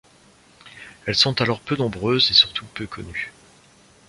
Elles sont alors peu nombreuses et surtout peu connues.